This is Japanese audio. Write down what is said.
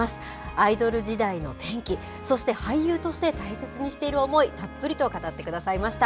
アイドル時代の転機、そして俳優として大切にしている思い、たっぷりと語ってくださいました。